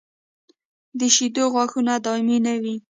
د شېدو غاښونه دایمي نه وي.